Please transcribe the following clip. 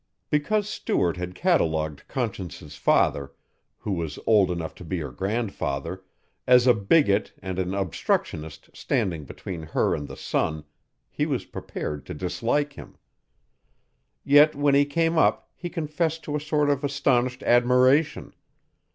Because Stuart had catalogued Conscience's father, who was old enough to be her grandfather, as a bigot and an obstructionist standing between her and the sun, he was prepared to dislike him. Yet when he came up he confessed to a sort of astonished admiration.